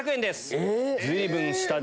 随分下です。